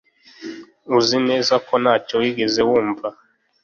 Uzi neza ko ntacyo wigeze wumva